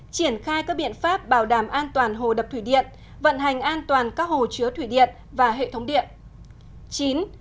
triển khai các biện pháp bảo đảm an toàn hồ đập thủy điện vận hành an toàn các hồ chứa thủy điện và hệ thống điện